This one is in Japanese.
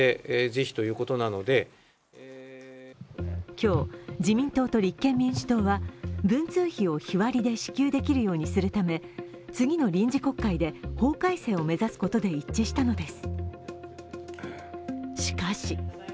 今日、自民党と立憲民主党は文通費を日割りで支給できるようにするため次の臨時国会で法改正を目指すことで一致したのです。